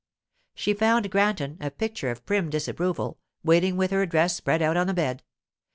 She found Granton, a picture of prim disapproval, waiting with her dress spread out on the bed.